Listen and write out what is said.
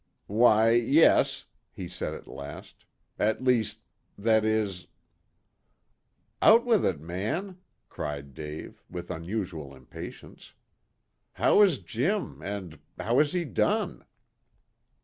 "Why, yes," he said at last. "At least that is " "Out with it, man," cried Dave, with unusual impatience. "How is Jim, and how has he done?"